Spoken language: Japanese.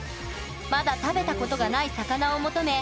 まだ食べたことがない魚を求め